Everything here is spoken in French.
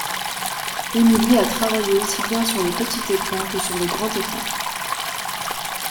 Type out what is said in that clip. Emily a travaillé aussi bien sur le petit écran que sur le grand écran.